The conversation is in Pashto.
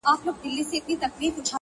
o گراني بس څو ورځي لا پاته دي؛